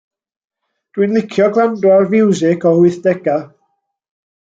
Dw i'n licio gwrando ar fiwsig o'r wythdega'.